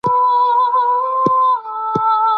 د پرتله کولو او موازنې کار اوس په ماشینونو ترسره کیږي.